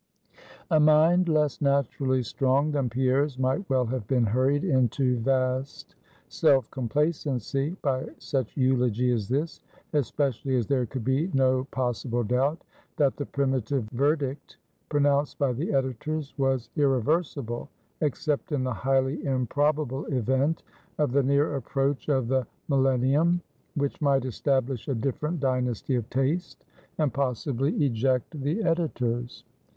A mind less naturally strong than Pierre's might well have been hurried into vast self complacency, by such eulogy as this, especially as there could be no possible doubt, that the primitive verdict pronounced by the editors was irreversible, except in the highly improbable event of the near approach of the Millennium, which might establish a different dynasty of taste, and possibly eject the editors.